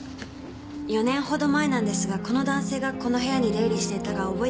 ４年ほど前なんですがこの男性がこの部屋に出入りしていたか覚えてませんか？